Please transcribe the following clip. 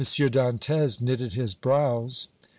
Dantès knitted his brows.